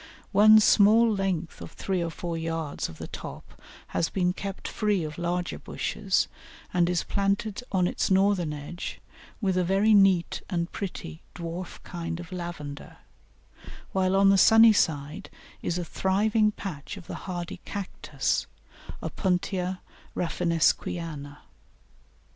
One small length of three or four yards of the top has been kept free of larger bushes, and is planted on its northern edge with a very neat and pretty dwarf kind of Lavender, while on the sunny side is a thriving patch of the hardy Cactus (Opuntia Raffinesquiana).